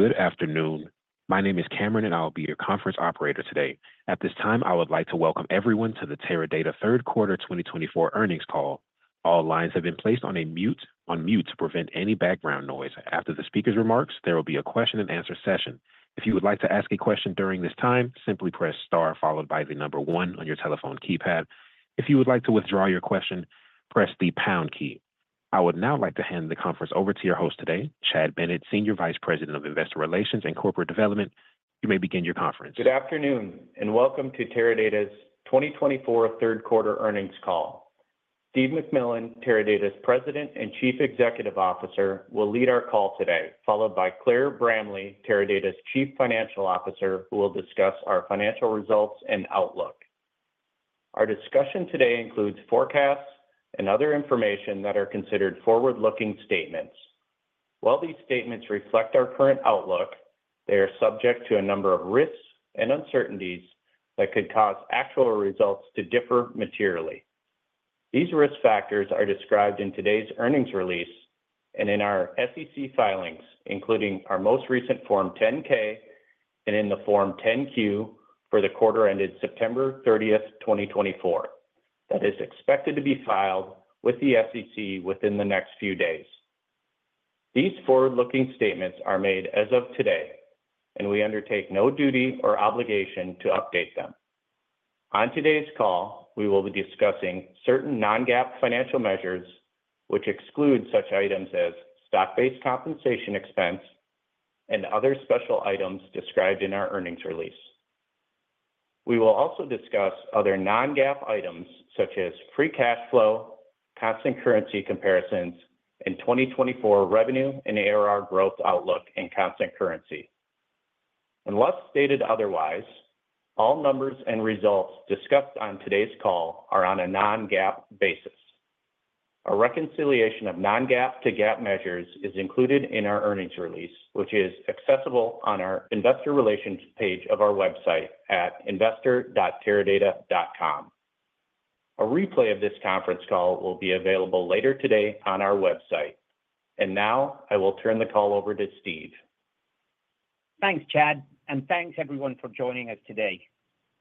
Good afternoon. My name is Cameron and I'll be your conference operator today. At this time I would like to welcome everyone to the Teradata third quarter 2024 earnings call. All lines have been placed on mute to prevent any background noise. After the speaker's remarks, there will be a question and answer session. If you would like to ask a question during this time, simply press star followed by the number one on your telephone keypad. If you would like to withdraw your question, press the pound key. I would now like to hand the conference over to your host today, Chad Bennett, Senior Vice President of Investor Relations and Corporate Development. You may begin your conference. Good Afternoon, and welcome to Teradata's 2024 third quarter earnings call. Steve McMillan, Teradata's President and Chief Executive Officer, will lead our call today, followed by Claire Bramley, Teradata's Chief Financial Officer, who will discuss our financial results and outlook. Our discussion today includes forecasts and other information that are considered forward looking statements. While these statements reflect our current outlook, they are subject to a number of risks and uncertainties that could cause actual results to differ materially. These risk factors are described in today's earnings release and in our SEC filings, including our most recent Form 10-K and in the Form 10-Q for the quarter ended September 30th, 2024 that is expected to be filed with the SEC within the next few days. These forward looking statements are made as of today and we undertake no duty or obligation to update them. On today's call we will be discussing certain non-GAAP financial measures which exclude such items as stock-based compensation expense and other special items described in our earnings release. We will also discuss other non-GAAP items such as free cash flow, constant currency comparisons and 2024 revenue and ARR growth outlook in constant currency. Unless stated otherwise, all numbers and results discussed on today's call are on a non-GAAP basis. A reconciliation of non-GAAP to GAAP measures is included in our earnings release which is accessible on our Investor Relations page of our website at investor.teradata.com. A replay of this conference call will be available later today on our website. And now I will turn the call over to Steve. Thanks, Chad, and thanks everyone for joining us today.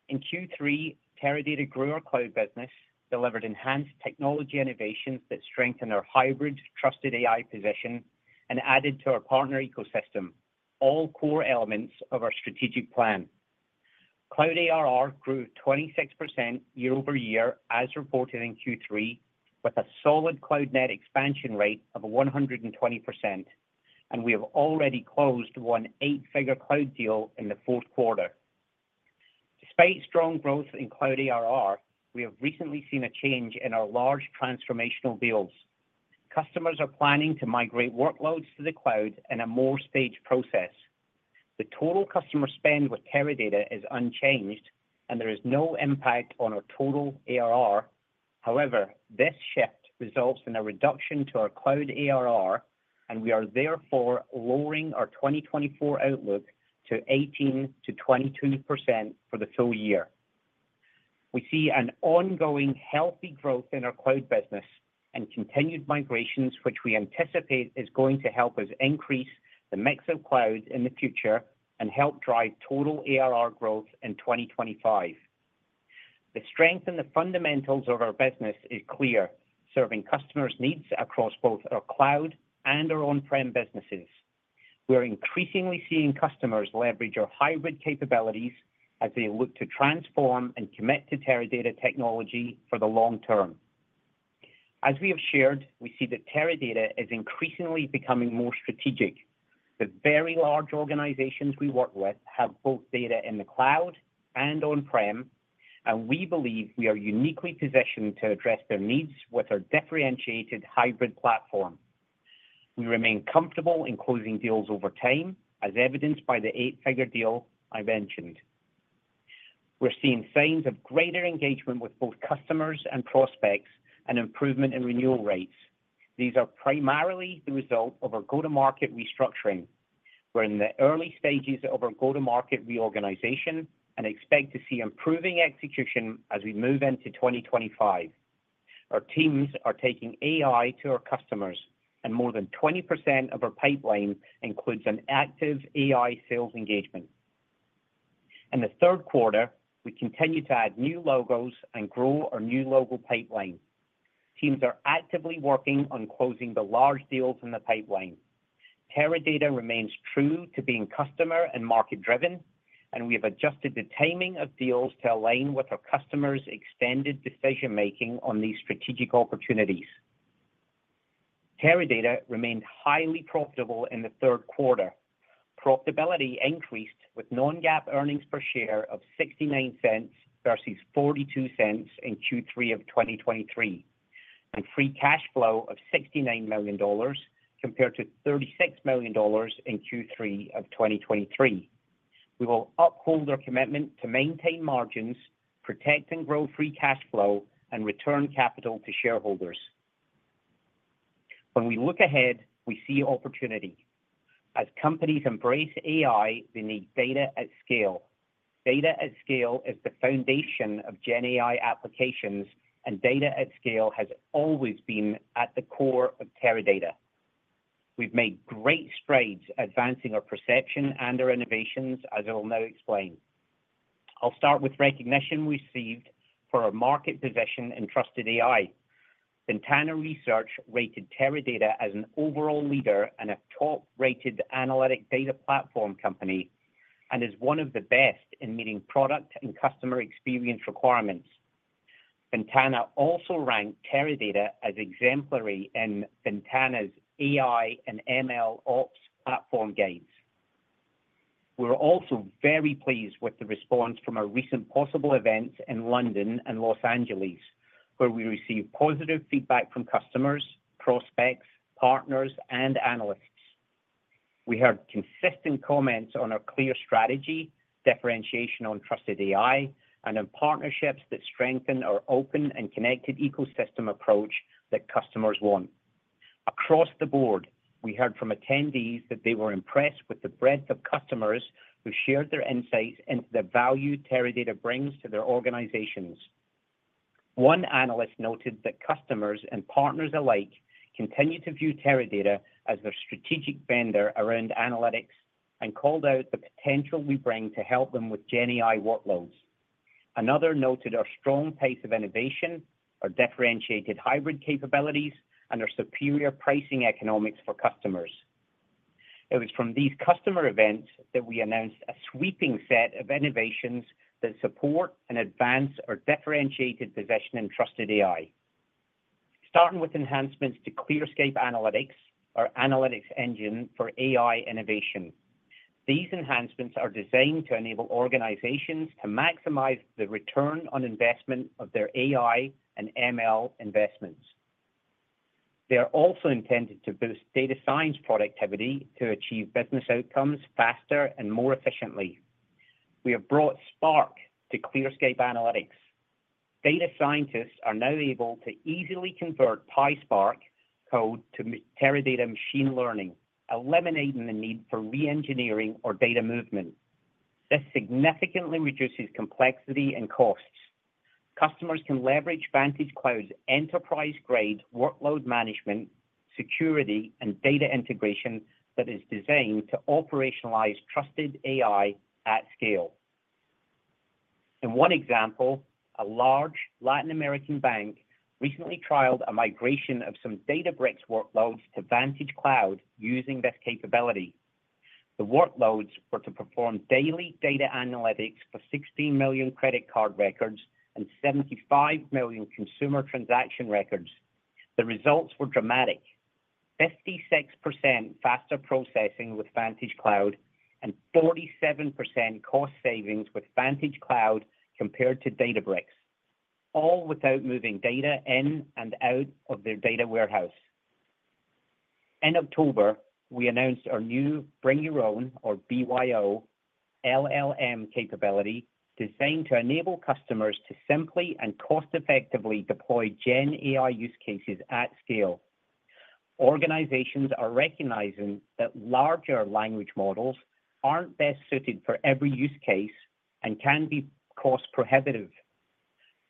In Q3, Teradata grew our cloud business, delivered enhanced technology innovations that strengthened our hybrid trusted AI position, and added to our partner ecosystem, all core elements of our strategic plan. Cloud ARR grew 26% year-over-year as reported in Q3 with a solid cloud net expansion rate of 120%, and we have already closed one eight-figure cloud deal in the fourth quarter. Despite strong growth in cloud ARR, we have recently seen a change in our large transformational builds. Customers are planning to migrate workloads to the cloud in a more staged process. The total customer spend with Teradata is unchanged, and there is no impact on our total ARR. However, this shift results in a reduction to our cloud ARR, and we are therefore lowering our 2024 outlook to 18%-22% for the full year. We see an ongoing healthy growth in our cloud business and continued migrations which we anticipate is going to help us increase the mix of cloud in the future and help drive total ARR growth in 2025. The strength and the fundamentals of our business is clear, serving customers' needs across both our cloud and our on-prem businesses. We're increasingly seeing customers leverage our hybrid capabilities as they look to transform and commit to Teradata technology for the long term. As we have shared, we see that Teradata is increasingly becoming more strategic. The very large organizations we work with have both data in the cloud and on-prem, and we believe we are uniquely positioned to address their needs with our differentiated hybrid platform. We remain comfortable in closing deals over time, as evidenced by the eight-figure deal I mentioned. We're seeing signs of greater engagement with both customers and prospects and improvement in renewal rates. These are primarily the result of our go-to-market restructuring. We're in the early stages of our go-to-market reorganization and expect to see improving execution as we move into 2025. Our teams are taking AI to our customers and more than 20% of our pipeline includes an active AI sales engagement. In the third quarter, we continue to add new logos and grow our new logo pipeline. Teams are actively working on closing the large deals in the pipeline. Teradata remains true to being customer- and market-driven and we have adjusted the timing of deals to align with our customers' extended decision making on these strategic opportunities. Teradata remained highly profitable in the third quarter. Profitability increased with non-GAAP earnings per share of $0.69 versus $0.42 in Q3 of 2023 and free cash flow of $69 million compared to $36 million in Q3 of 2023. We will uphold our commitment to maintain margins, protect and grow free cash flow and return capital to shareholders. When we look ahead, we see opportunity as companies embrace AI. data at scale is the foundation of GenAI data at scale has always been at the core of Teradata. We've made great strides advancing our perception and our innovations as I will now explain. I'll start with recognition received for our market position in trusted AI. Ventana Research rated Teradata as an overall leader and a top rated analytic data platform company and is one of the best in meeting product and customer experience requirements. Ventana also ranked Teradata as exemplary in Ventana's AI and MLOps platform guides. We're also very pleased with the response from our recent customer events in London and Los Angeles where we received positive feedback from customers, prospects, partners and analysts. We heard consistent comments on our clear strategy differentiation on trusted AI and on partnerships that strengthen our open and connected ecosystem approach that customers want across the board. We heard from attendees that they were impressed with the breadth of customers who shared their insights into the value Teradata brings to their organizations. One analyst noted that customers and partners alike continue to view Teradata as their strategic vendor around analytics and called out the potential we bring to help them with GenAI workloads and another noted our strong pace of innovation, our differentiated hybrid capabilities and our superior pricing economics for customers. It was from these customer events that we announced a sweeping set of innovations that support and advance our differentiated position and trusted AI, starting with enhancements to ClearScape Analytics, our analytics engine for AI innovation. These enhancements are designed to enable organizations to maximize the return on investment of their AI and ML investments. They are also intended to boost data science productivity to achieve business outcomes faster and more efficiently. We have brought Spark to ClearScape Analytics. Data scientists are now able to easily convert PySpark code to Teradata machine learning, eliminating the need for re-engineering or data movement. This significantly reduces complexity and costs. Customers can leverage Vantage Cloud's enterprise-grade workload management, security and data integration that is designed to operationalize trusted AI at scale. In one example, a large Latin American bank recently trialed a migration of some Databricks workloads to Vantage Cloud using this capability. The workloads were to perform daily data analytics for 16 million credit card records and 75 million consumer transaction records. The results were dramatic, 56% faster processing with Vantage Cloud and 47% cost savings with Vantage Cloud compared to Databricks, all without moving data in and out of their data warehouse. In October we announced our new bring your own or BYO LLM capability designed to enable customers to simply and cost effectively deploy GenAI use cases at scale. Organizations are recognizing that large language models aren't best suited for every use case and can be cost prohibitive.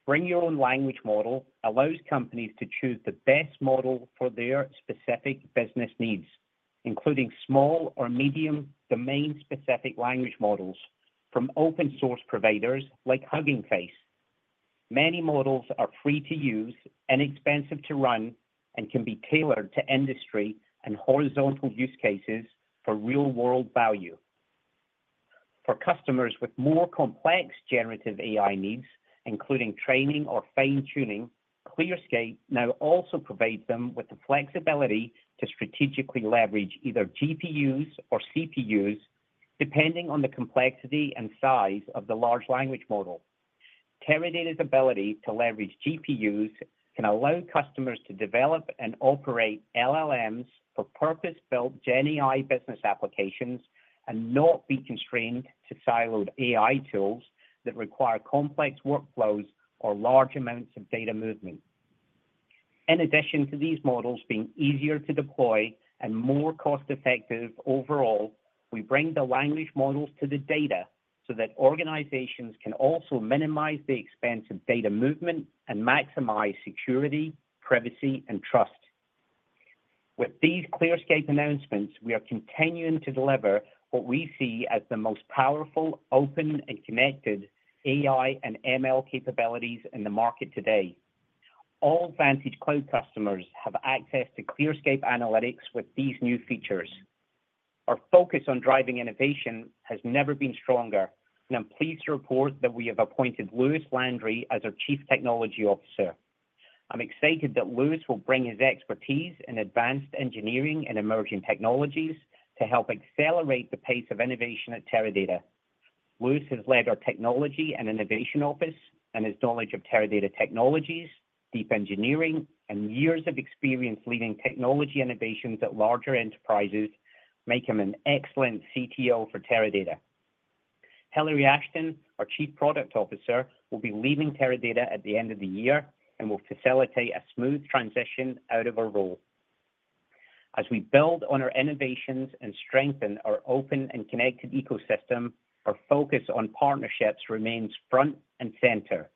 Bring your own language model allows companies to choose the best model for their specific business needs, including small or medium domain specific language models from open source providers like Hugging Face. Many models are free to use, inexpensive to run and can be tailored to industry and horizontal use cases for real world value. For customers with more complex generative AI needs including training or fine tuning, ClearScape now also provides them with the flexibility to strategically leverage either GPUs or CPUs depending on the complexity and size of the large language model. Teradata's ability to leverage GPUs can allow customers to develop and operate LLMs purpose-built GenAI business applications and not be constrained to siloed AI tools that require complex workflows or large amounts of data movement. In addition to these models being easier to deploy and more cost effective overall, we bring the language models to the data so that organizations can also minimize the expense of data movement and maximize security, privacy and trust. With these ClearScape announcements we are continuing to deliver what we see as the most powerful open and connected AI and ML capabilities in the market today. All Vantage Cloud customers have access to ClearScape Analytics with these new features. Our focus on driving innovation has never been stronger and I'm pleased to report that. We have appointed Louis Landry as our. Chief Technology Officer, excited that Louis will bring his expertise in advanced engineering and emerging technologies to help accelerate the pace of innovation at Teradata. Louis has led our technology and innovation office and his knowledge of Teradata technologies, deep engineering and years of experience leading technology innovations at larger enterprises make him an excellent CTO for Teradata. Hillary Ashton, our Chief Product Officer, will be leaving Teradata at the end of the year and will facilitate a smooth transition out of our role as we build on our innovations and strengthen our open and connected ecosystem. Our focus on partnerships remains front and center.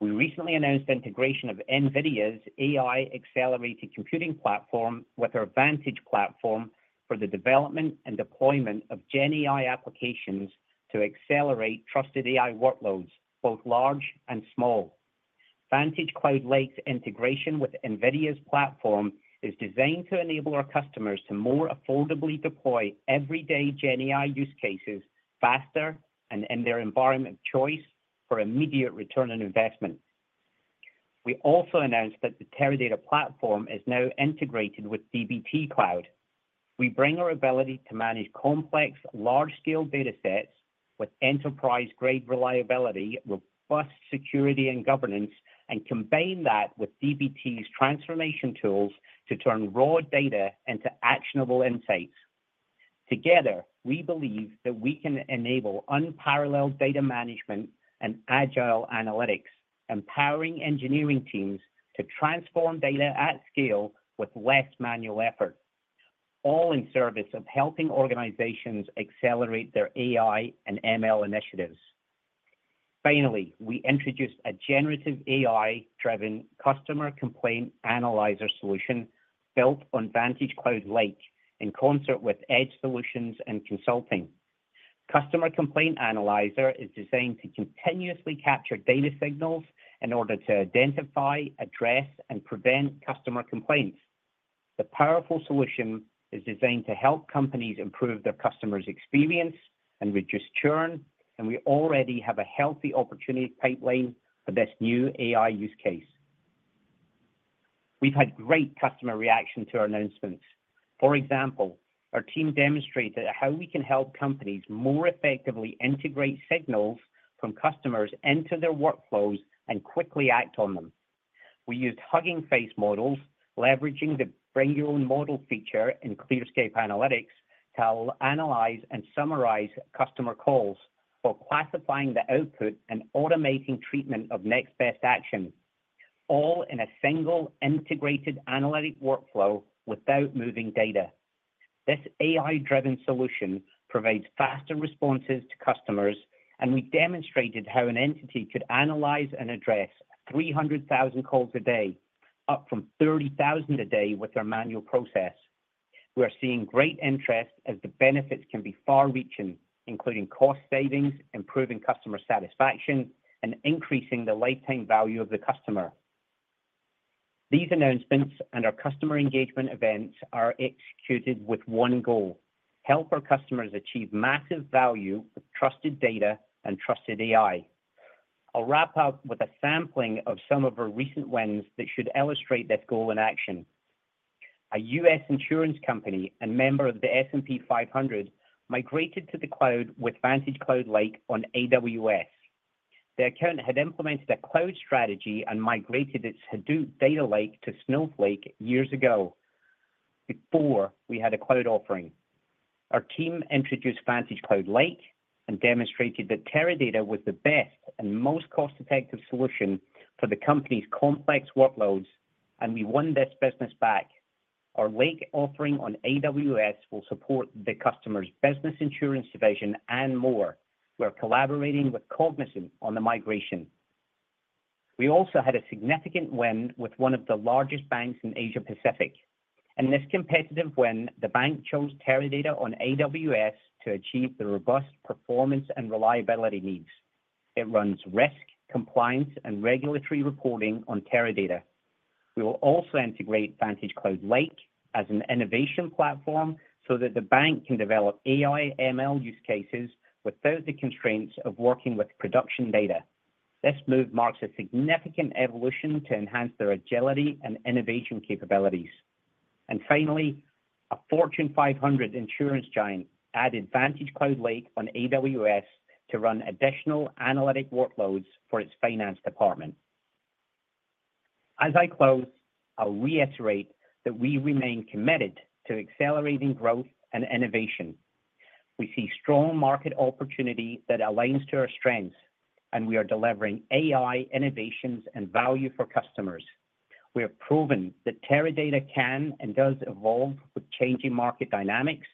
We recently announced integration of NVIDIA's AI Accelerated Computing platform with our Vantage platform for the development and deployment of GenAI applications to accelerate trusted AI workloads both large and small. Vantage Cloud Lake's integration with NVIDIA's platform is designed to enable our customers to more affordably deploy everyday GenAI use cases faster and in their environment of choice for immediate return on investment. We also announced that the Teradata platform is now integrated with dbt Cloud. We bring our ability to manage complex large scale data sets with enterprise grade reliability, robust security and governance and combine that with dbt's transformation tools to turn raw data into actionable insights. Together we believe that we can enable unparalleled data management and agile analytics, empowering engineering teams data at scale with less manual effort, all in service of helping organizations accelerate their AI and ML initiatives. Finally, we introduced a generative AI driven Customer Complaint Analyzer solution built on Vantage Cloud Lake in concert with Edge Solutions & Consulting. Customer Complaint Analyzer is designed to continuously capture data signals in order to identify, address and prevent customer complaints. The powerful solution is designed to help companies improve their customers' experience and reduce churn and we already have a healthy opportunity pipeline for this new AI use case. We've had great customer reaction to our announcements. For example, our team demonstrated how we can help companies more effectively integrate signals from customers into their workflows and quickly act on them. We used Hugging Face models leveraging the bring your own model feature in ClearScape Analytics to analyze and summarize customer calls while classifying the output and automating treatment of next best action all in a single integrated analytic workflow without moving data. This AI-driven solution provides faster responses to customers and we demonstrated how an entity could analyze and address 300,000 calls a day, up from 30,000 a day with our manual process. We are seeing great interest as the benefits can be far-reaching including cost savings, improving customer satisfaction and increasing the lifetime value of the customer. These announcements and our customer engagement events are executed with one goal help our customers achieve massive value with trusted data and trusted AI. I'll wrap up with a sampling of some of our recent wins that should illustrate this goal in action. A U.S. insurance company and member of the S&P 500 migrated to the cloud with Vantage Cloud Lake on AWS. That firm had implemented a cloud strategy and migrated its Hadoop data lake to Snowflake. Years ago, before we had a cloud offering, our team introduced Vantage Cloud Lake and demonstrated that Teradata was the best and most cost-effective solution for the company's complex workloads, and we won this business back. Our Lake offering on AWS will support the customer's business insurance division and more. We're collaborating with Cognizant on the migration. We also had a significant win with one of the largest banks in Asia Pacific. In this competitive win, the bank chose Teradata on AWS to achieve the robust performance and reliability needs. It runs risk compliance and regulatory reporting on Teradata. We will also integrate Vantage Cloud Lake as an innovation platform so that the bank can develop AI ML use cases without the constraints of working with production data. This move marks a significant evolution to enhance their agility and innovation capabilities, and finally, a Fortune 500 insurance giant added Vantage Cloud Lake on AWS to run additional analytic workloads for its finance department. As I close, I'll reiterate that we remain committed to accelerating growth and innovation. We see strong market opportunity that aligns to our strengths and we are delivering AI innovations and value for customers. We have proven that Teradata can and does evolve with changing market dynamics.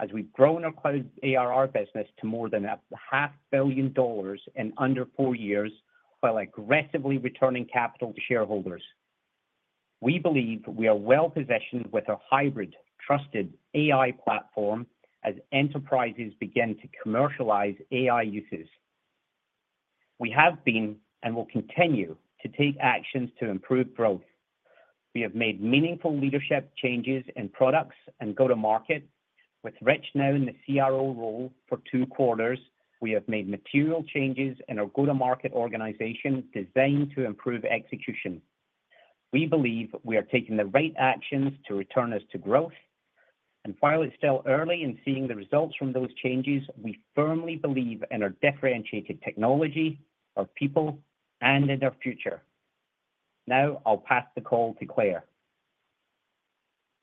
As we've grown our cloud ARR business to more than $500 million in under four years while aggressively returning capital to shareholders, we believe we are well positioned with a hybrid trusted AI platform. As enterprises begin to commercialize AI users, we have been and will continue to take actions to improve growth. We have made meaningful leadership changes in products and go to market. With Rich now in the CRO role for two quarters, we have made material changes in our go to market organization designed to improve execution. We believe we are taking the right actions to return us to growth, and while it's still early in seeing the results from those changes, we focus on firmly believe in our differentiated technology, our people and in our future. Now I'll pass the call to Claire.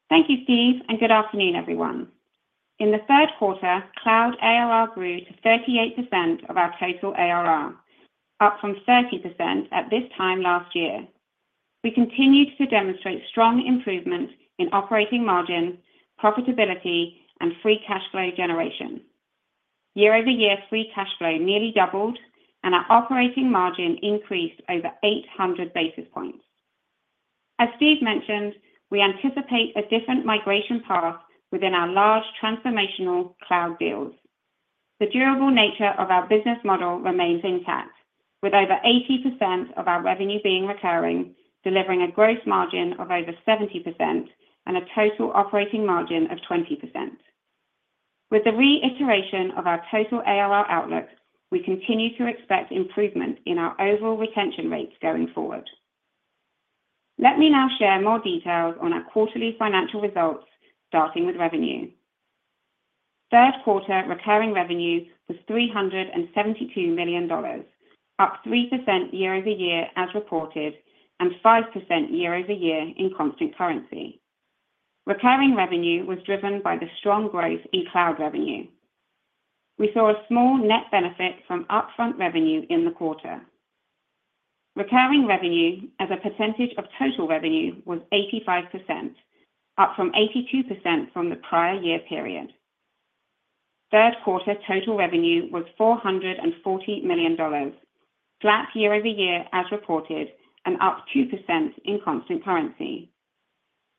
Thank you Steve and good afternoon everyone. In the third quarter cloud ARR grew to 38% of our total ARR, up from 30% at this time last year. We continued to demonstrate strong improvement in operating margin, profitability and free cash flow generation year-over-year. Free cash flow nearly doubled and our operating margin increased over 800 basis points. As Steve mentioned, we anticipate a different migration path within our large transformational cloud deals. The durable nature of our business model remains intact with over 80% of our revenue being recurring, delivering a gross margin of over 70% and a total operating margin of 20%. With the reiteration of our total ARR outlook, we continue to expect improvement in our overall retention rates going forward. Let me now share more details on our quarterly financial results, starting with revenue. Third quarter recurring revenue was $372 million, up 3% year-over-year as reported and 5% year-over-year in constant currency. Recurring revenue was driven by the strong growth in cloud revenue. We saw a small net benefit from upfront revenue in the quarter. Recurring revenue as a percentage of total revenue was 85%, up from 82% from the prior year period. Third quarter total revenue was $440 million, flat year-over-year as reported and up 2% in constant currency.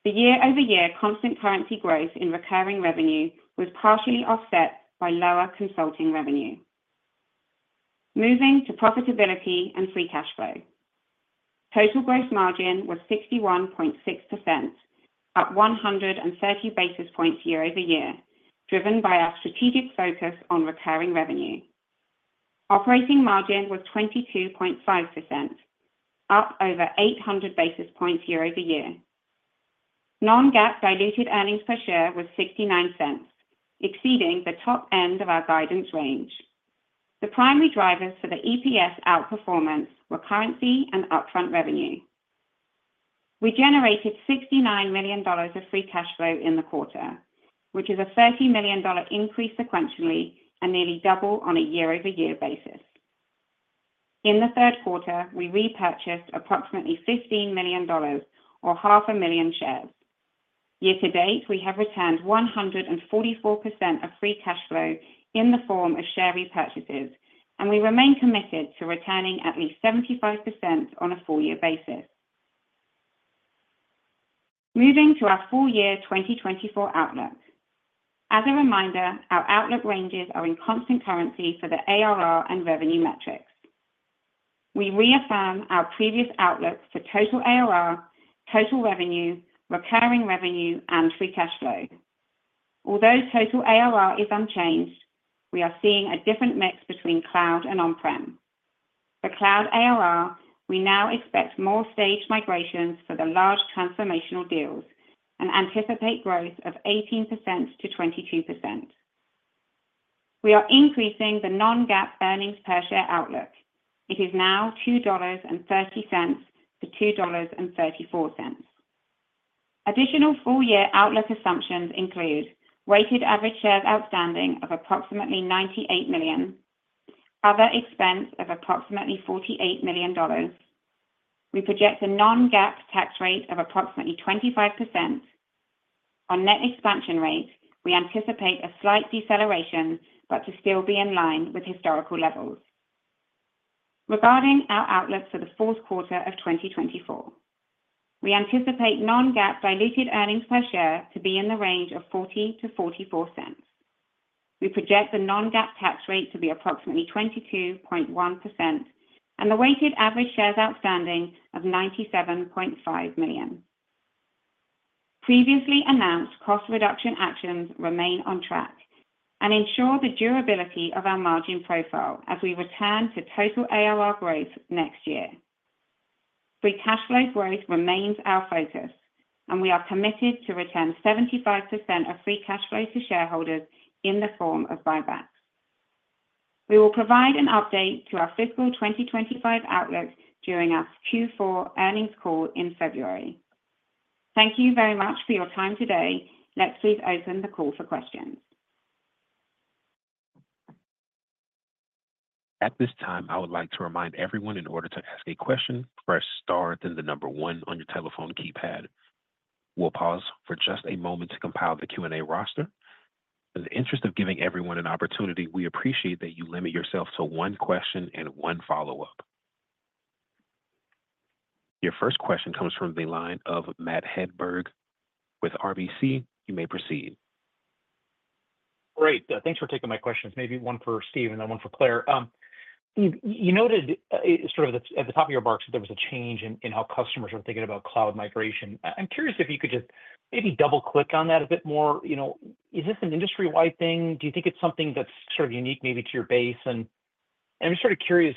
The year-over-year constant currency growth in recurring revenue was partially offset by lower consulting revenue, moving to profitability and free cash flow. Total gross margin was 61.6%, up 130 basis points year-over-year driven by our strategic focus on recurring revenue. Operating margin was 22.5%, up over 800 basis points year-over-year. Non-GAAP diluted earnings per share was $0.69, exceeding the top end of our guidance range. The primary drivers for the EPS outperformance were currency and upfront revenue. We generated $69 million of free cash flow in the quarter, which is a $30 million increase sequentially and nearly double on a year-over-year basis. In the third quarter we repurchased approximately $15 million or 500,000 shares. Year-to-date, we have returned 144% of free cash flow in the form of share repurchases and we remain committed to returning at least 75% on a full-year basis. Moving to our full-year 2024 outlook, as a reminder, our outlook ranges are in constant currency for the ARR and revenue metrics. We reaffirm our previous outlook for total ARR, total revenue, recurring revenue and free cash flow. Although total ARR is unchanged, we are seeing a different mix between cloud and on-prem. For cloud ARR, we now expect more staged migrations for the large transformational deals and anticipate growth of 18%-22%. We are increasing the non-GAAP earnings per share outlook. It is now $2.30-$2.34. Additional full year outlook assumptions include weighted average shares outstanding of approximately 98 million, other expense of approximately $48 million. We project a non-GAAP tax rate of approximately 25%. On net expansion rate. We anticipate a slight deceleration but to still be in line with historical levels. Regarding our outlook for the fourth quarter of 2024, we anticipate non-GAAP diluted earnings per share to be in the range of $0.40-$0.44. We project the non-GAAP tax rate to be approximately 22.1% and the weighted average shares outstanding of 97.5 million. Previously announced cost reduction actions remain on track and ensure the durability of our margin profile as we return to total ARR growth next year. Free cash flow growth remains our focus and we are committed to return 75% of free cash flow to shareholders in the form of buybacks. We will provide an update to our fiscal 2025 outlook during our Q4 earnings call in February. Thank you very much for your time today. Let's please open the call for questions. At this time, I would like to remind everyone in order to ask a question, press star then the number one on your telephone keypad. We'll pause for just a moment to compile the Q&A roster. In the interest of giving everyone an opportunity, we appreciate that you limit yourself to one question and one follow-up. Your first question comes from the line of Matt Hedberg with RBC. You may proceed. Great. Thanks for taking my questions. Maybe one for Steve and then one for Claire. You noted sort of at the top of your remarks that there was a change in how customers are thinking about cloud migration. I'm curious if you could just maybe. Double click on that a bit more. You know, is this an industry-wide thing? Do you think it's something that's sort. it unique maybe to your base? And I'm just sort of curious,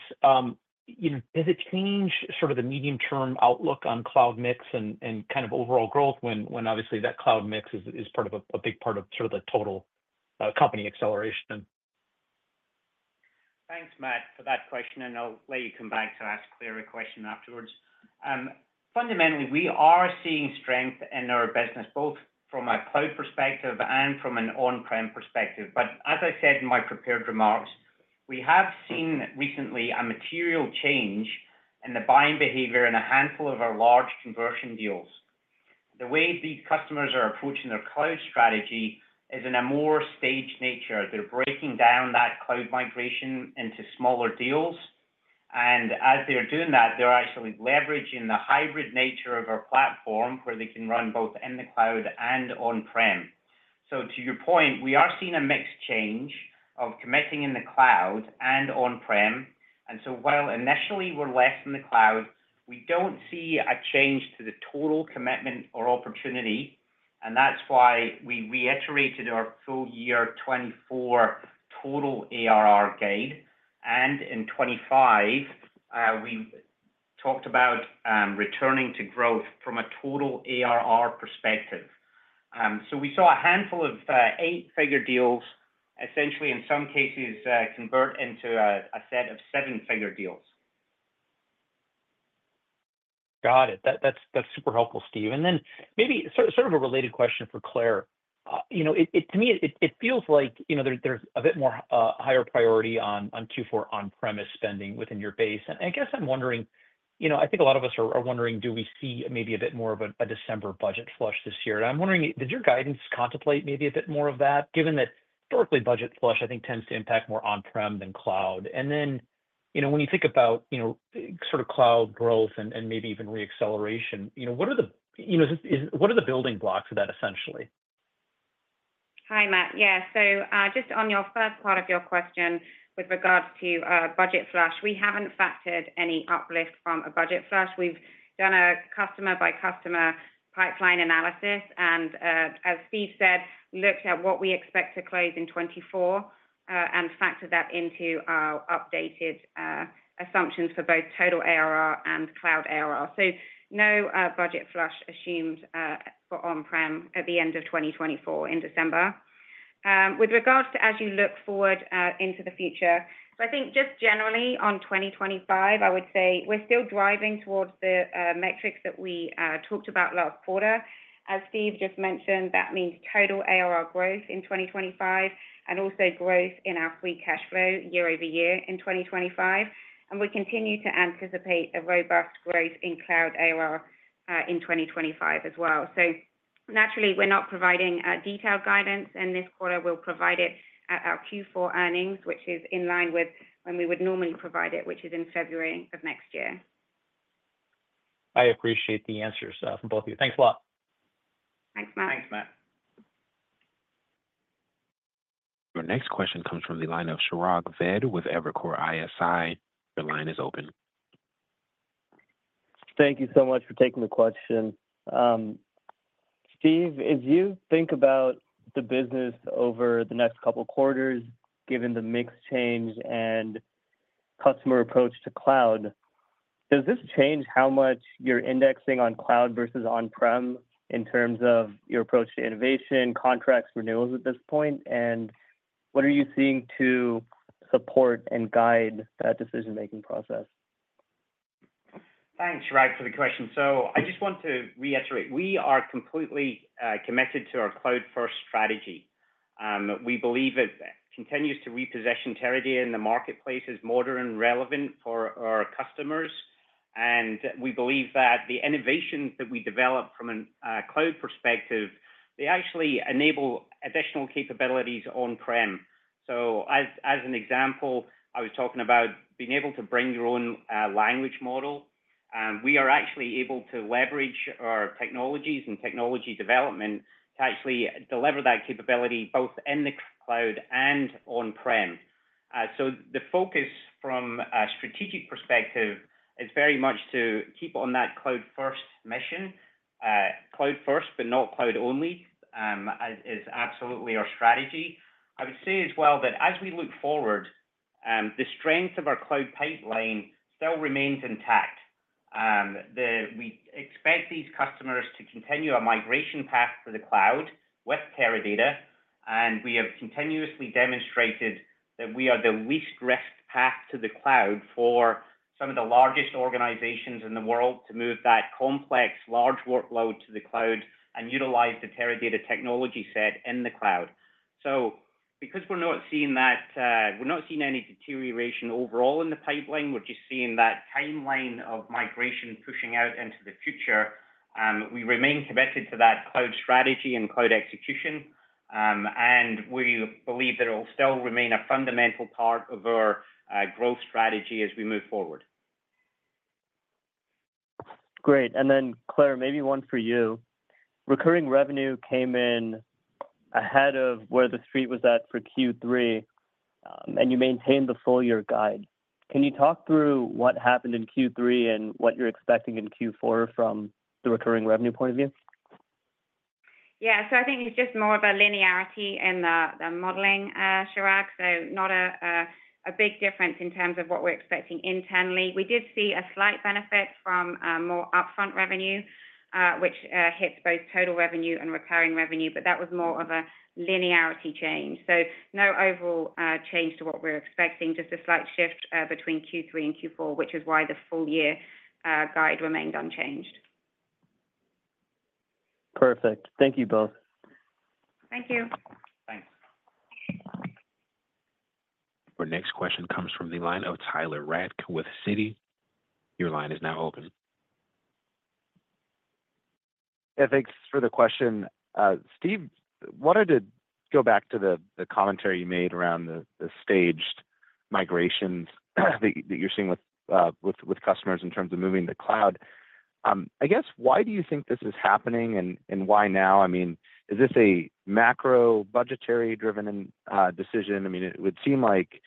you know, does it change sort of the medium term outlook on cloud mix and kind of overall growth when obviously that cloud mix is part of a big part of sort of the total company acceleration? Thanks Matt, for that question and I'll let you come back to ask Claire a question afterwards. Fundamentally, we are seeing strength in our business, both from a cloud perspective and from an on-prem perspective. But as I said in my prepared remarks, we have seen recently a material change in the buying behavior in a handful of our large conversion deals. The way the customers are approaching their cloud strategy is in a more staged nature. They're breaking down that cloud migration into smaller deals. And as they're doing that, they're actually leveraging the hybrid nature of our platform where they can run both in the cloud and on-prem. So to your point, we are seeing. A mixed change of committing in the. cloud and on-prem, and so while initially we're less in. The cloud, we don't see a change. To the total commitment or opportunity. And that's why we reiterated our full year 2024 total ARR guide. And in 2025 we talked about returning to growth from a total ARR perspective. So we saw a handful of eight-figure deals essentially in some cases convert into a set of seven-figure deals. Got it. That's super helpful, Steve. And then maybe sort of a related question for Claire. You know, to me it feels. Like, you know, there's a bit more higher priority on Q4 on-premise spending within your base. And I guess I'm wondering, you know, I think a lot of us are wondering, do we see maybe a bit more of a December budget flush this year? And I'm wondering, did your guidance contemplate maybe a bit more of that given. That historically budget flush, I think, tends. To impact more on-prem than cloud? And then you know, when you think. About, you know, sort of cloud growth and maybe even reacceleration, you know, what are the building blocks of that essentially? Hi Matt. Yeah, so just on your first part of your question with regards to budget flush, we haven't factored any uplift from a budget flush. We've done a customer by customer pipeline analysis and as Steve said, looked at what we expect to close in 2024 and factored that into our updated assumptions for both total ARR and cloud ARR. So no budget flush assumed for on-prem at the end of 2024 in December with regards to as you look forward into the future. So I think just generally on 2025 I would say we're still driving towards the metrics that we talked about last quarter. As Steve just mentioned, that means total ARR growth in 2025 and also growth in our free cash flow year-over-year in 2025. And we continue to anticipate a robust growth in cloud ARR in 2025 as well. So naturally we're not providing detailed guidance and this quarter we'll provide it at our Q4 earnings, which is in line with when we would normally provide it, which is in February of next year. I appreciate the answers from both of you. Thanks a lot. Thanks Matt. Thanks Matt. Your next question comes from the line of Chirag Ved with Evercore ISI. The line is open. Thank you so much for taking the question. Steve, as you think about the business over the next couple quarters, given the mix change and customer approach to cloud? Does this change how much you're indexing? On cloud versus on-prem in terms. On your approach to innovation, contract renewals at this point, and what are you seeing to support and guide that decision-making process? Thanks, Chirag, for the question. So I just want to reiterate we are completely committed to our cloud first strategy. We believe it continues to reposition Teradata in the marketplace, is modern and relevant for our customers and we believe that the innovations that we develop from a cloud perspective, they actually enable additional capabilities. on-prem, as an example, I was talking about being able to bring your own language model. We are actually able to leverage our technologies and technology development to actually deliver that capability both in the cloud and on-prem. The focus from a strategic perspective is very much to keep on that cloud first mission. Cloud first but not cloud only is absolutely our strategy. I would say as well that as we look forward, the strength of our cloud pipeline still remains intact. We expect these customers to continue a migration path to the cloud with Teradata. And we have continuously demonstrated that we are the least risk path to the cloud for some of the largest organizations in the world to move that complex large workload to the cloud and utilize the Teradata technology set in the cloud. So because we're not seeing that, we're not seeing any deterioration overall in the pipeline, we're just seeing that timeline of migration pushing out into the future, we remain committed to that cloud strategy and cloud execution and we believe that it will still remain a fundamental part of our growth strategy as we move forward. Great. And then Claire, maybe one for you. Recurring revenue came in ahead of where the street was at for Q3 and. You maintained the full year guide. Can you talk through what happened in? Q3 and what you're expecting in Q4. From the recurring revenue point of view? Yeah, so I think it's just more of a linearity in the modeling, Chirag. So not a big difference in terms of what we're expecting internally. We did see a slight benefit from more upfront revenue, which hits both total revenue and recurring revenue, but that was more of a linearity change. So no overall change to what we're expecting, just a slight shift between Q3 and Q4, which is why the full year guide remained unchanged. Perfect. Thank you both. Thank you. Thanks. Our next question comes from the line of Tyler Radke with Citi. Your line is now open. Thanks for the question, Steve. Wanted to go back to the commentary. You mentioned around the staged migrations that you're seeing with customers in terms of moving to the cloud, I guess. Why do you think this is happening and why now? I mean, is this a macro budgetary driven? I mean, it would seem like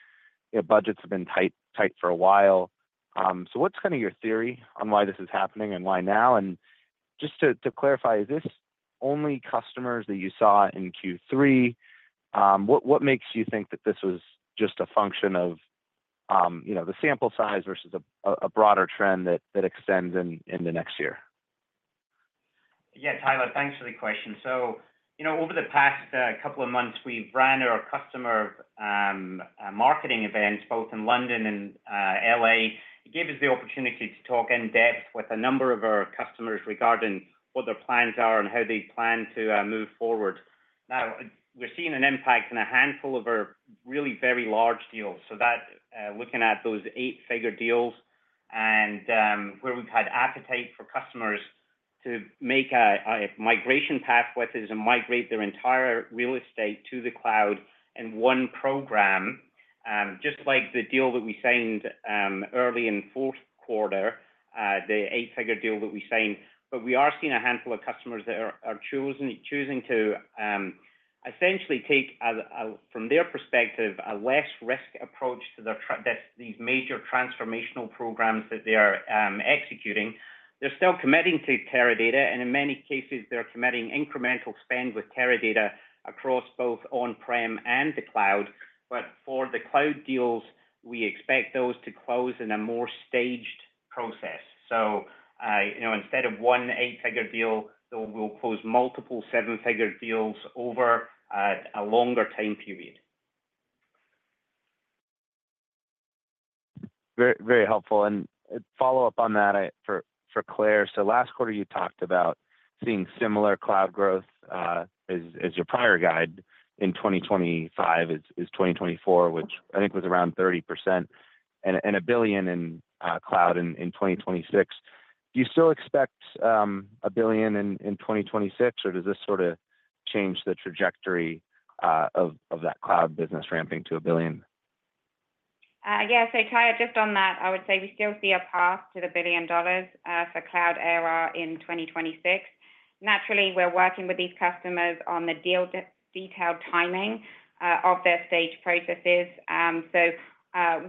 budgets have been tight for a while. So what's kind of your theory on why this is happening and why now? Just to clarify, is this only? Customers that you saw in Q3? What makes you think that this was just a function of, you know, the? Sample size versus a broader trend that. Extends into next year? Yeah, Tyler, thanks for the question. So, you know, over the past couple of months we've ran our customer marketing events both in London and L.A. It gave us the opportunity to talk in depth with a number of our customers regarding what their plans are and how they plan to move forward. Now we're seeing an impact in a handful of our really very large deals. So that looking at those eight figure deals and where we've had appetite for customers to make a migration path with us and migrate their entire real estate to the cloud in one program. Just like the deal that we signed early in fourth quarter, the eight figure deal that we signed. But we are seeing a handful of customers that are choosing to essentially take from their perspective a less risk approach to these major transformational programs that they are executing. They're still committing to Teradata and in many cases they're committing incremental spend with Teradata across both on-prem and the cloud. But for the cloud deals we expect those to close in a more staged process, so instead of one eight figure deal, we'll close multiple seven figure deals over a longer time period. Very, very helpful. Follow up on that for Claire. So last quarter you talked about seeing similar cloud growth as your prior guide in 2025. It's 2024, which I think was around 30% and $1 billion in cloud in 2026. Do you still expect $1 billion in 2026 or does this sort of change the trajectory of that cloud business ramping to $1 billion? Yeah, so Tyler, just on that, I would say we still see a path to the $1 billion for Cloud ARR in 2026. Naturally we're working with these customers on the detailed timing of their stage processes. So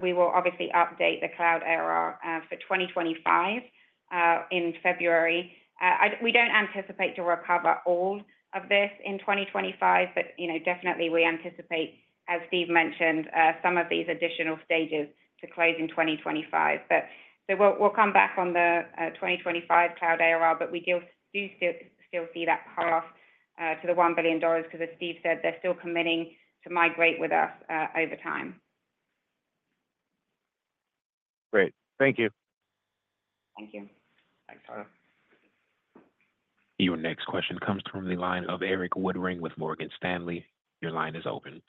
we will obviously update the Cloud ARR for 2025 in February. We don't anticipate to recover all of this in 2025, but you know, definitely we anticipate, as Steve mentioned, some of these additional stages to close in 2025 but. So we'll come back on the 2025 Cloud ARR. But we do still see that path to the $1 billion because as Steve said, they're still committing to migrate with us over time. Great, thank you. Thank you. Thanks. Your next question comes from the line of Erik Woodring with Morgan Stanley. Your line is open.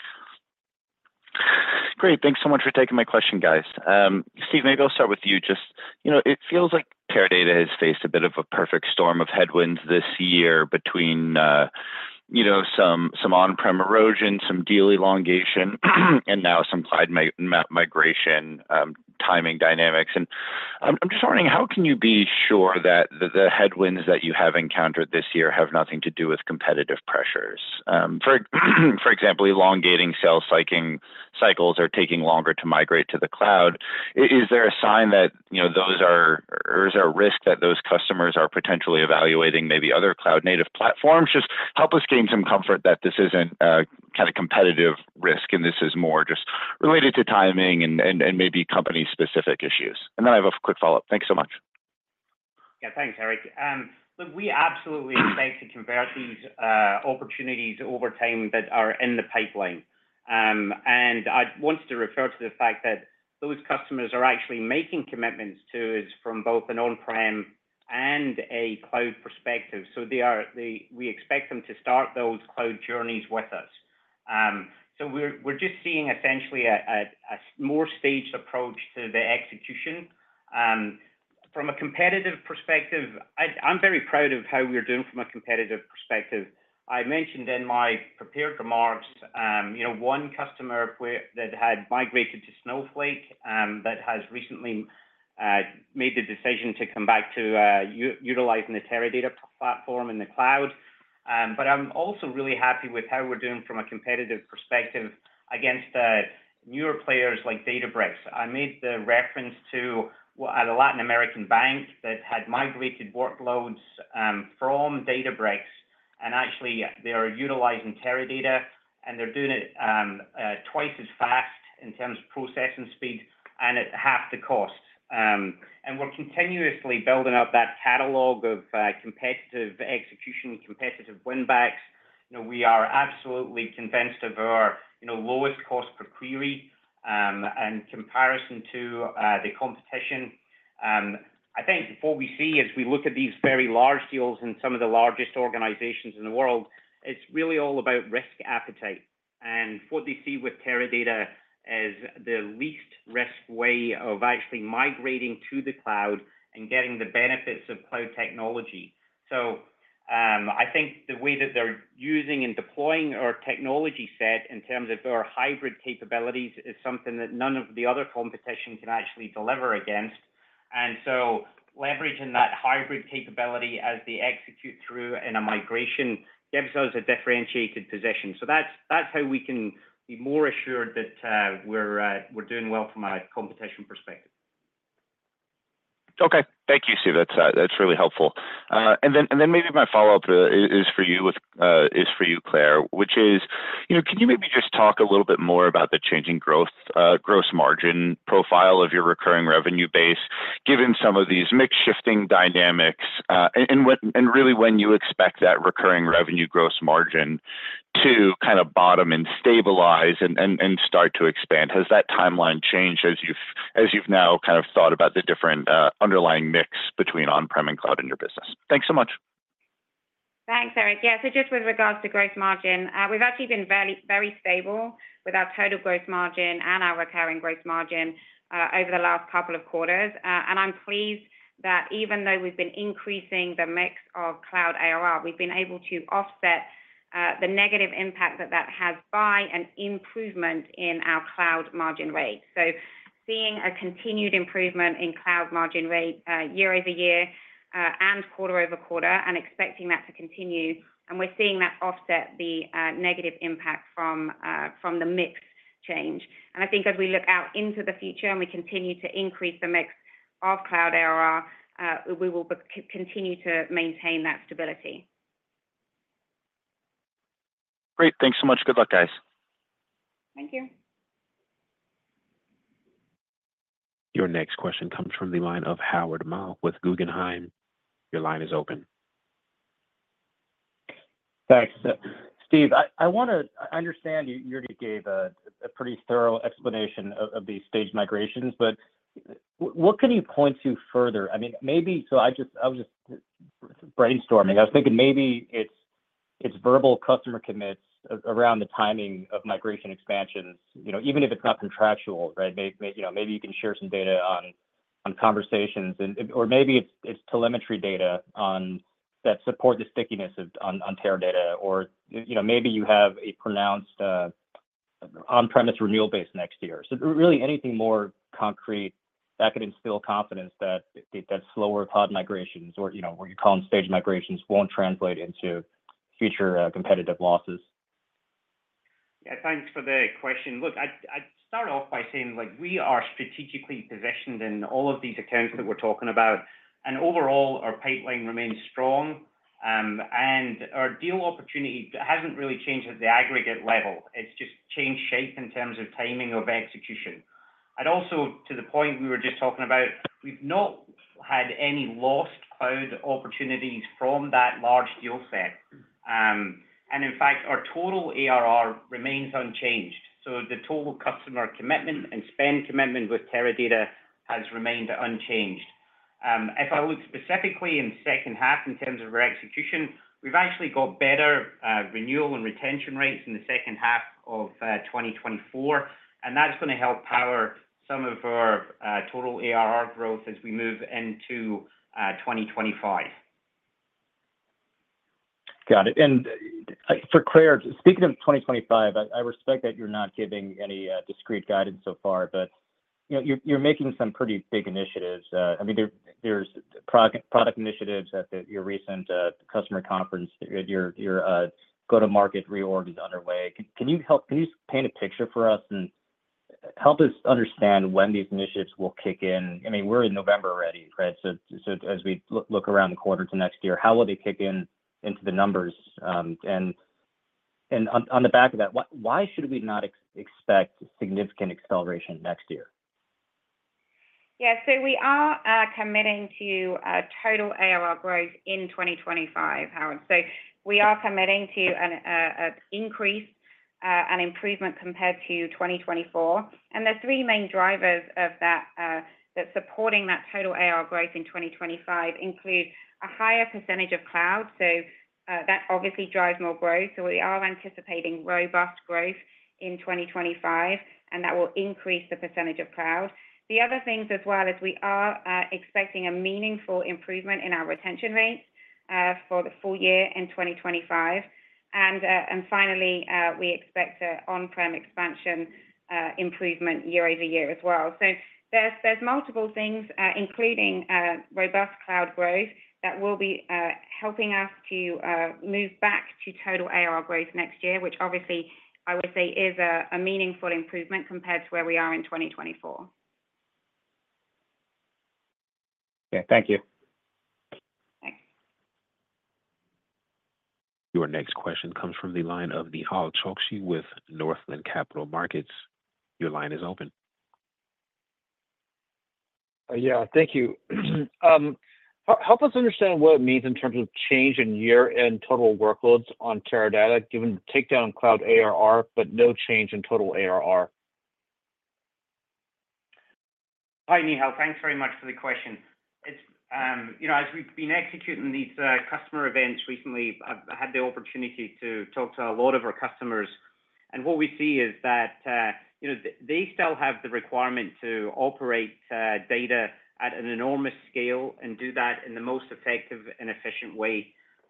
Great, thanks so much for taking my question, guys. Steve, maybe I'll start with you. Just, you know, it feels like Teradata. Has faced a bit of a perfect storm of headwinds this year between, you know, some on-prem erosion, some deal elongation and now some applied migration timing dynamics. And I'm just wondering, how can you be sure that the headwinds that you have encountered this year have nothing to do with competitive pressures? For example, elongating sales cycles are taking longer to migrate to the cloud. Is there a sign that, you know, those are risk that those customers are potentially evaluating? Maybe other cloud native platforms just help us gain some comfort that this isn't kind of competitive risk and this is more just related to timing and maybe company specific issues. And then I have a quick follow up. Thanks so much. Yeah, thanks Erik. We absolutely expect to convert these opportunities over time that are in the pipeline and I wanted to refer to the fact that those customers are actually making commitments to us from both an on-prem and a cloud perspective. So we expect them to start those cloud journeys with us. So we're just seeing essentially a more staged approach to the execution from a competitive perspective. I'm very proud of how we're doing from a competitive perspective. I mentioned in my prepared remarks one customer that had migrated to Snowflake that has recently made the decision to come back to utilizing the Teradata platform in the cloud. But I'm also really happy with how we're doing from a competitive perspective against newer players like Databricks. I made the reference to the Latin American bank that had migrated workloads from Databricks and actually they are utilizing Teradata and they're doing it twice as fast in terms of processing speed and at half the cost, and we're continuously building up that catalog of competitive execution, competitive win backs. We are absolutely convinced of our lowest cost per query in comparison to the competition. I think what we see as we look at these very large deals in some of the largest organizations in the world, it's really all about risk appetite and what they see with Teradata as the least risk way of actually migrating to the cloud and getting the benefits of cloud technology, so I think the way that they're using and deploying our technology set in terms of our hybrid capabilities is something that none of the other competition can actually deliver against. And so leveraging that hybrid capability as they execute through in a migration gives us a differentiated position. So that's how we can be more assured that we're doing well from a competition perspective. Okay, thank you Steve, that's really helpful. And then maybe my follow up is for you Claire, which is can you maybe just talk a little bit more about the changing gross margin profile of your recurring revenue base given some of these mix shifting dynamics and really when you expect that recurring revenue gross margin to kind of bottom and stabilize and start to expand, has that timeline changed as you've now kind of thought about the different underlying mix between on-prem and cloud in your business. Thanks so much. Thanks, Erik. Yeah, so just with regards to gross margin, we've actually been very, very stable with our total gross margin and our recurring gross margin over the last couple of quarters, and I'm pleased that even though we've been increasing the mix of cloud ARR, we've been able to offset the negative impact that that has by an improvement in our cloud margin rate, so seeing a continued improvement in cloud margin rate year-over-year and quarter-over-quarter and expecting that to continue, and we're seeing that offset the negative impact from the mix change, and I think as we look out into the future and we continue to increase the mix of cloud ARR, we will continue to maintain that stability. Great. Thanks so much. Good luck, guys. Thank you. Your next question comes from the line of Howard Ma with Guggenheim. Your line is open. Thanks. Steve. I want to. I understand you already gave a pretty thorough explanation of these staged migrations, but what can you point to further? I mean, maybe so. I just, I was just brainstorming. I was thinking maybe it's verbal customer commits around the timing of migration expansions, you know, even if it's not contractual. Right. You know, maybe you can share some data on conversations or maybe it's telemetry data on that support the stickiness of on Teradata or you know, maybe you have a pronounced on-premises renewal base next year. So really anything more concrete that could instill confidence that slower staged migrations, or you know what you call them, staged migrations won't translate into future competitive losses. Thanks for the question. Look, I start off by saying we are strategically positioned in all of these accounts that we're talking about and overall our pipeline remains strong and our deal opportunity hasn't really changed at the aggregate level. It's just changed shape in terms of timing of execution, and also to the point we were just talking about, we've not had any lost cloud opportunities from that large deal set, and in fact our total ARR remains unchanged, so the total customer commitment and spend commitment with Teradata has remained unchanged. If I look specifically in the second half in terms of our execution, we've actually got better renewal and retention rates in the second half of 2024 and that's going to help power some of our total ARR growth as we move into 2025. Got it, and for Claire, speaking of 2025, I respect that you're not giving any discrete guidance so far, but you know, you're making some pretty big initiatives. I mean there's product initiatives at your recent customer conference, your go-to-market reorg is underway. Can you help? Can you paint a picture for us and help us understand when these initiatives will kick in? I mean we're in November already, right? So as we look around the quarter too how will they kick in into the numbers? And on the back of that, why should we not expect significant acceleration next year? Yeah. So we are committing to total ARR growth in 2025. Howard. So we are committing to an increase and improvement compared to 2024, and the three main drivers of that supporting that total ARR growth in 2025 include a higher percentage of cloud, so that obviously drives more growth. So we are anticipating robust growth in 2025, and that will increase the percentage of cloud. The other things as well as we are expecting a meaningful improvement in our retention rate for the full year in 2025, and finally we expect on-prem expansion improvement year-over-year as well. So there's multiple things including robust cloud growth that will be helping us to move back to total ARR growth next year, which obviously I would say is a meaningful improvement compared to where we are in 2024. Thank you. Your next question comes from the line of Nehal Chokshi with Northland Capital Markets. Your line is open. Yeah, thank you. Help us understand what it means in terms of change in year-end total workloads on Teradata given the takedown cloud ARR but no change in total ARR. Hi Nehal, thanks very much for the question. As we've been executing these customer events recently, I had the opportunity to talk to a lot of our customers and what we see is that they still have the requirement to operate data at an enormous scale and do that in the most effective and efficient way,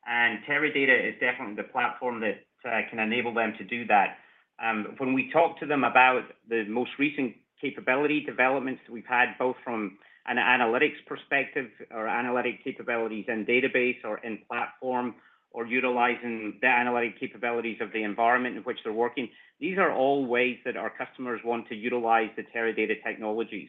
and Teradata is definitely the platform that can enable them to do that. When we talk to them about the most recent capability developments that we've had, both from an analytics perspective or analytic capabilities in database or in platform, or utilizing the analytic capabilities of the environment in which they're working, these are all ways that our customers want to utilize the Teradata technologies.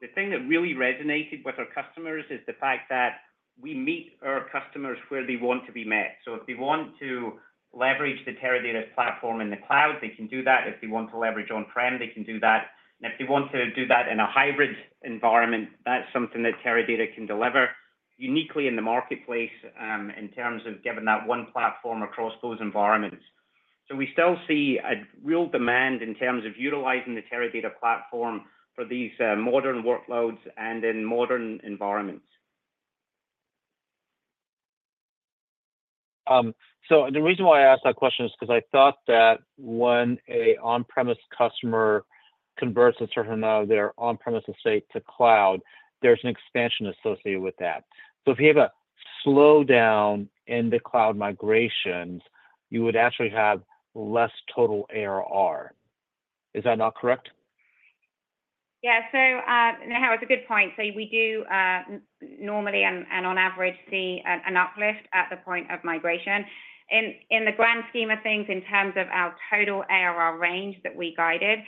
The thing that really resonated with our customers is the fact that we meet our customers where they want to be met. So if they want to leverage the Teradata platform in the cloud, they can do that. If they want to leverage on-prem, they can do that. And if they want to do that in a hybrid environment, that's something that Teradata can deliver uniquely in the marketplace in terms of giving that one platform across those environments. So we still see a real demand in terms of utilizing the Teradata platform for these modern workloads and in modern environments. So the reason why I asked that question is because I thought that when an on-premises customer converts a certain amount of their on-premises estate to cloud, there's an expansion associated with that. So if you have a slowdown in the cloud migrations, you would actually have less total ARR, is that not correct? Yeah, so it's a good point. So we do normally and on average see an uplift at the point of migration in the grand scheme of things in terms of our total ARR range that we guided.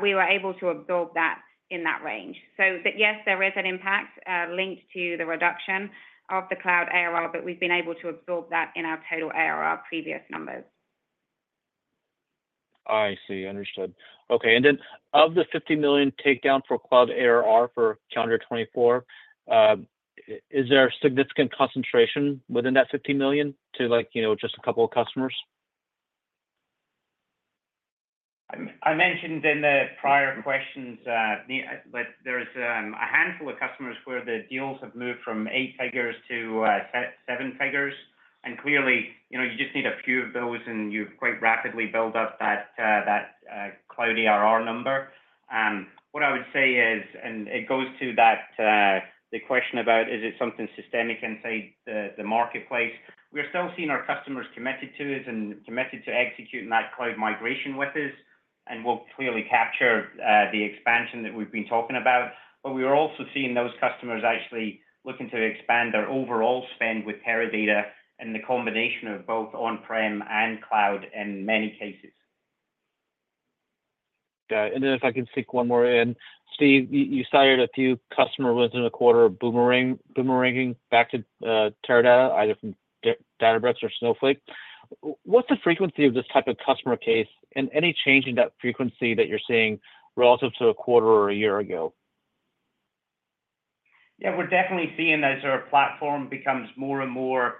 We were able to absorb that in that range. So yes, there is an impact linked to the reduction of the cloud ARR, but we've been able to absorb that in our total ARR previous numbers. I see. Understood. Okay. And then of the $50 million takedown for Cloud ARR for calendar 2024, is there significant concentration within that $50 million to like, you know, just a couple? Of customers. I mentioned in the prior questions, there's a handful of customers where the deals have moved from eight figures to seven figures and clearly you just need a few of those and you quite rapidly build up that cloud ARR number. What I would say is, and it goes to that question about, is it something systemic inside the marketplace? We are still seeing our customers committed to it and committed to executing that cloud migration with us and we'll clearly capture the expansion that we've been talking about, but we are also seeing those customers actually looking to expand their overall spend with Teradata and the combination of both on-prem and cloud in many cases. And then if I can sneak one more in, Steve, you secured a few customer wins in the quarter, boomeranging back to Teradata either from Databricks or Snowflake. What's the frequency of this type of? Customer case and any change in that frequency that you're seeing relative to a quarter or a year ago? Yeah, we're definitely seeing as our platform becomes more and more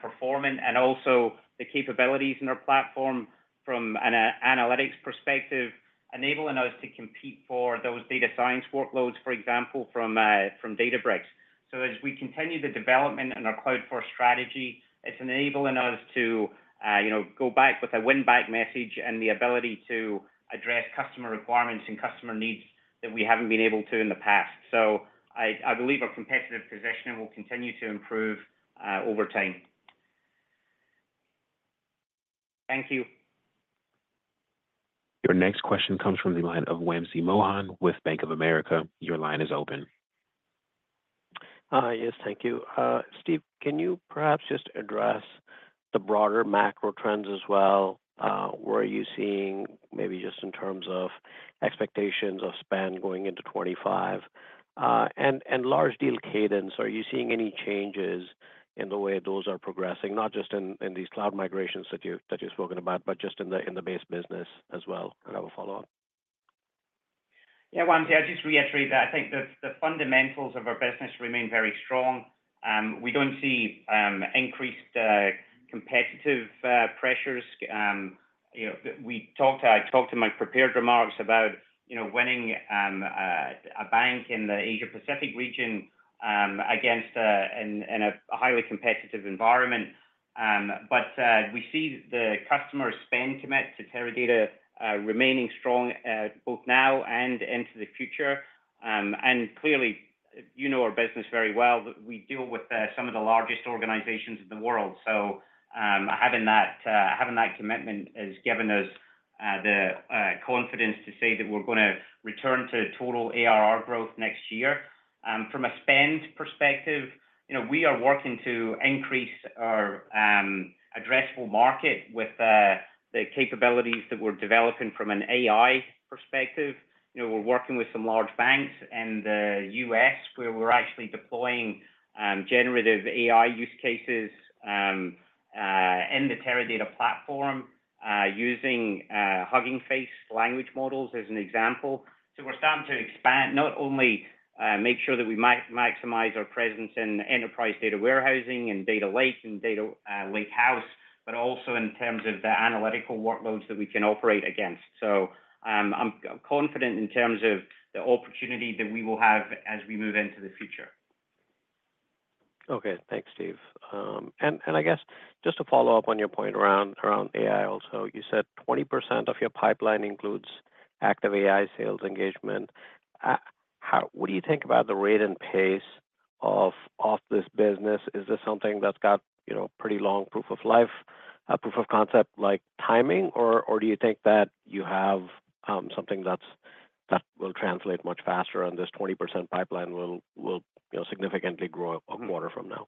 performant and also the capabilities in our platform from an analytics perspective, enabling us to compete for those data science workloads, for example from Databricks. So as we continue the development in our Cloud-First strategy, it's enabling us to go back with a win-back message and the ability to address customer requirements and customer needs that we haven't been able to in the past. So I believe our competitive position will continue to improve over time. Thank you. Your next question comes from the line of Wamsi Mohan with Bank of America. Your line is open. Yes, thank you. Steve, can you perhaps just address the broader macro trends as well? Where are you seeing maybe just in terms of expectations of spend going into 2025 and large deal cadence? Are you seeing any changes in the way those are progressing, not just in these cloud migrations that you've spoken about, but just in the base business as well? Could have a follow-up. Yeah, Wamsi, I'll just reiterate that I think that the fundamentals of our business remain very strong. We don't see increased competitive pressures. I talked in my prepared remarks about winning a bank in the Asia Pacific region against a highly competitive environment. But we see the customer spend commit to Teradata remaining strong both now and into the future. And clearly you know our business very well. We deal with some of the largest organizations in the world. So having that commitment has given us the confidence to say that we're going to return to total ARR growth next year. From a spend perspective, you know, we are working to increase our addressable market with the capabilities that we're developing. From an AI perspective, you know, we're working with some large banks in the U.S. where we're actually deploying generative AI use cases in the Teradata platform using Hugging Face language models as an example. So we're starting to expand, not only make sure that we might maximize our presence in enterprise data warehousing and data lake and data lakehouse, but also in terms of the analytical workloads that we can operate against. So I'm confident in terms of the opportunity that we will have as we move into the future. Okay, thanks Steve. And I guess just to follow up on your point around AI also, you said 20% of your pipeline includes active AI sales engagement. What do you think about the rate? And pace of this business? Is this something that's got, you know, pretty long proof of value, proof of concept like timing? Or do you think that you have something that will translate much faster and this 20% pipeline will significantly grow a quarter from now?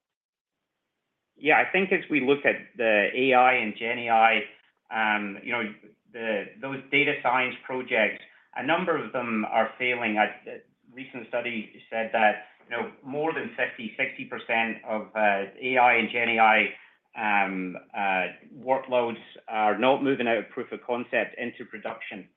Yeah, I think as we look at the AI and GenAI, those data science projects, a number of them are failing. Recent study said that, you know, more than 50%-60% of AI and GenAI workloads are not moving out of proof of concept into production.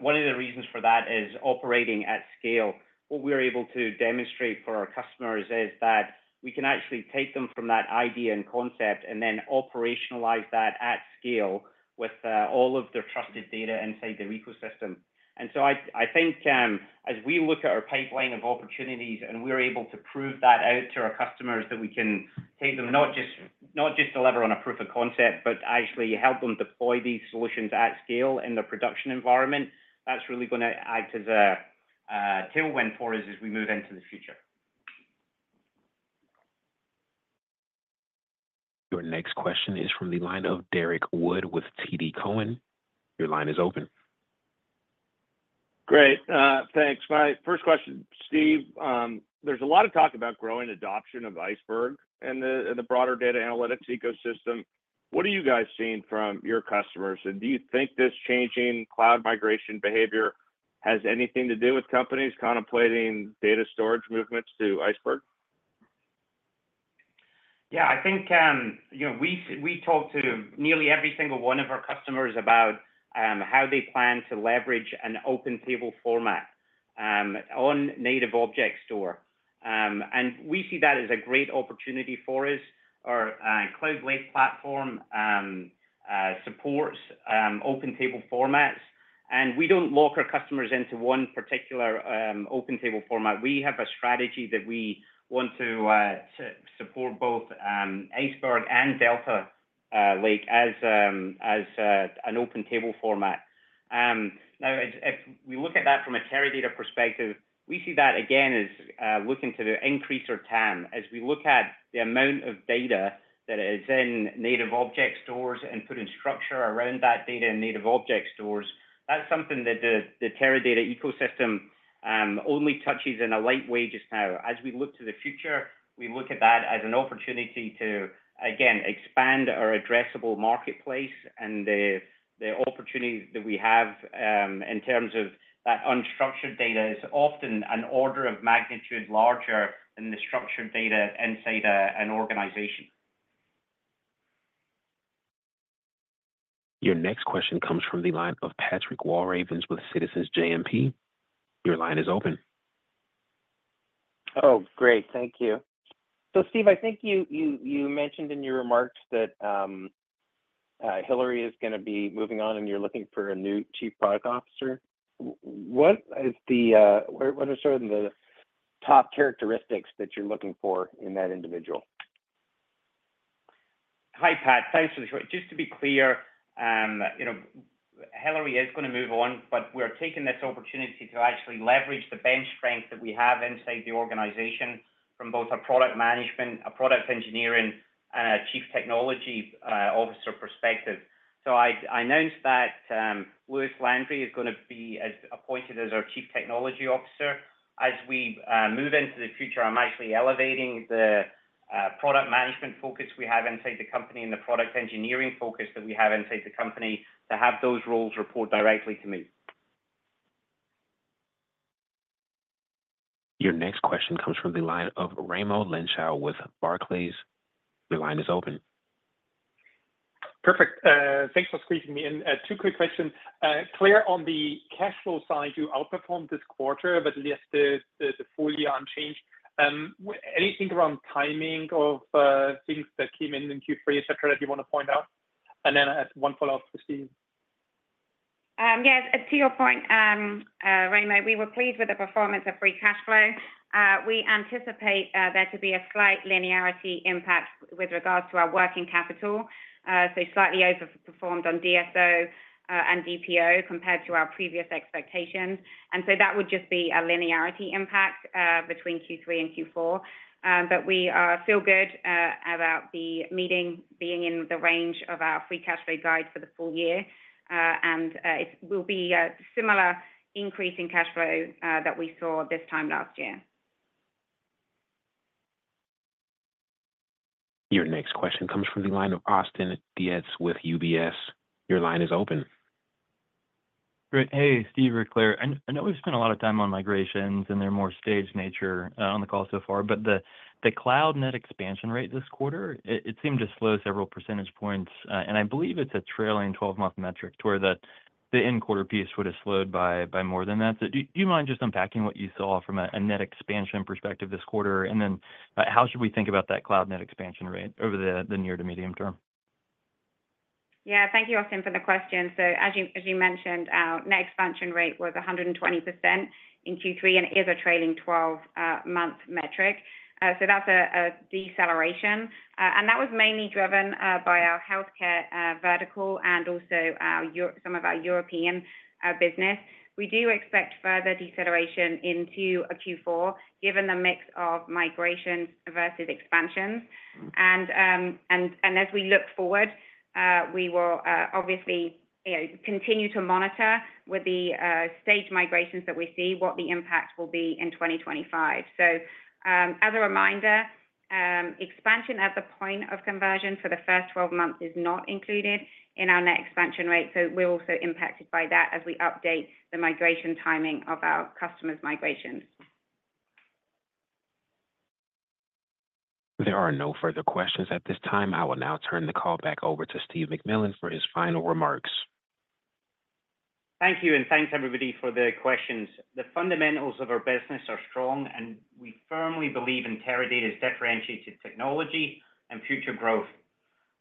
One of the reasons for that is operating at scale. What we are able to demonstrate for our customers is that we can actually take them from that idea and concept and then operationalize that at scale with all of their trusted data inside the ecosystem. And so I think as we look at our pipeline of opportunities and we're able to prove that out to our customers, that we can take them not just, not just deliver on a proof of concept but actually help them deploy these solutions at scale in the production environment. That's really going to act as a tailwind for us as we move into the future. Your next question is from the line of Derrick Wood with TD Cowen. Your line is open. Great, thanks. My first question, Steve. There's a lot of talk about growing adoption of Iceberg and the broader data analytics ecosystem. What are you guys seeing from your customers? And do you think this changing cloud migration behavior has anything to do with companies contemplating data storage movements to Iceberg? Yeah, I think we talk to nearly every single one of our customers about how they plan to leverage an open table format on native object store. We see that as a great opportunity for us. Our Cloud Lake platform supports open table formats and we don't lock our customers into one particular open table format. We have a strategy that we want to support both Iceberg and Delta Lake as an open table format. Now if we look at that from a Teradata perspective, we see that again as looking to increase our TAM. As we look at the amount of data that is in native object stores and putting structure around that data in native object stores, that's something that the Teradata ecosystem only touches in a light way just now. As we look to the future, we look at that as an opportunity to again expand our addressable marketplace and the opportunity that we have in terms of that unstructured data is often an order of magnitude larger than the structured data inside an organization. Your next question comes from the line of Patrick Walravens with Citizens JMP. Your line is open. Oh, great. Thank you. So Steve, I think you mentioned in. Your remarks that Hillary is going to be moving on and you're looking for a new Chief Product Officer. What is the. What are some of the top characteristics? That you're looking for in that individual? Hi Pat, thanks for the question. Just to be clear, Hillary is going to move on, but we're taking this opportunity to actually leverage the bench strength that we have inside the organization from both a product management, a product engineering and a chief technology officer perspective. So I announced that Louis Landry is going to be appointed as our Chief Technology Officer. As we move into the future, I'm actually elevating the product management focus we have inside the company and the product engineering focus that we have inside the company. To have those roles report directly to me. Your next question comes from the line of Raimo Lenschow with Barclays. The line is open. Perfect. Thanks for squeezing me in. Two quick questions. Clear. On the cash flow side, you outperformed this quarter but left the full year unchanged. Anything around timing of things that came in in Q3 et cetera that you? Want to point out, and then one follow up. Steve. Yes to your point, Raimo. We were pleased with the performance of free cash flow. We anticipate there to be a slight linearity impact with regards to our working capital, so slightly overperformed on DSO and DPO compared to our previous expectations. And so that would just be a linearity impact between Q3 and Q4. But we feel good about the meeting being in the range of our free cash flow guide for the full year and it will be a similar increase in cash flow that we saw this time last year. Your next question comes from the line of Austin Dietz with UBS. Your line is open. Great. Hey Steve or Claire, I know we've spent a lot of time on migrations and their more staged nature on the call so far, but the cloud net expansion rate this quarter it seemed to slow several percentage points and I believe it's a trailing twelve-month metric to where the end quarter piece would have slowed by more than that. Do you mind just unpacking what you saw from a net expansion perspective this quarter and then how should we think about that cloud net expansion rate over the near to medium term? Yeah, thank you, Austin, for the question. So as you mentioned, our net expansion rate was 120% in Q3 and is a trailing 12-month metric. So that's a deceleration, and that was mainly driven by our healthcare vertical and also some of our European business. We do expect further deceleration into Q4 given the mix of migrations versus expansions. And as we look forward we will obviously continue to monitor with the staged migrations that we see what the impact will be in 2025. So as a reminder, expansion at the point of conversion for the first 12 months is not included in our net expansion rate. So we're also impacted by that as we update the migration timing of our customers' migrations. There are no further questions at this time. I will now turn the call back over to Steve McMillan for his final remarks. Thank you and thanks everybody for the questions. The fundamentals of our business are strong and we firmly believe in Teradata's differentiated technology and future growth.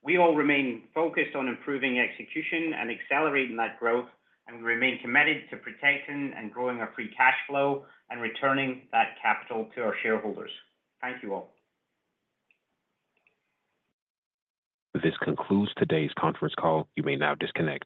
We all remain focused on improving execution and accelerating that growth and we remain committed to protecting and growing our free cash flow and returning that capital to our shareholders. Thank you all. This concludes today's conference call. You may now disconnect.